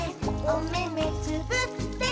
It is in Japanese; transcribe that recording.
「おめめつぶって」